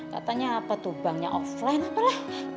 katanya apa tuh banknya offline apalah